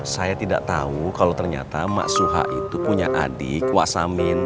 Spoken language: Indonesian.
saya tidak tahu kalau ternyata mak suha itu punya adik kua samin